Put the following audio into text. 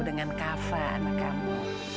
dengan kavan kamu